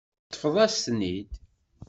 Teṭṭfeḍ-as-tent-id.